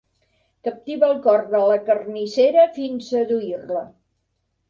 Captiva el cor de la carnissera fins seduir-la.